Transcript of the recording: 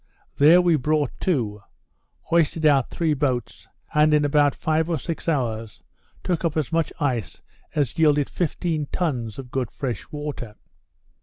There we brought to; hoisted out three boats; and in about five or six hours, took up as much ice as yielded fifteen tons of good fresh water.